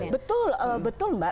betul betul mbak